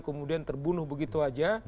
kemudian terbunuh begitu aja